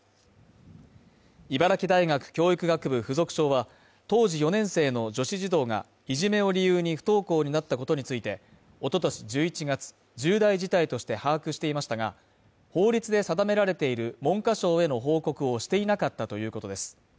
茨城大学教育学部付属小は当時４年生の女子児童がいじめを理由に不登校になったことについて、おととし１１月、重大事態として把握していましたが、法律で定められている文科省への報告をしていなかったということです。